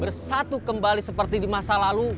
bersatu kembali seperti di masa lalu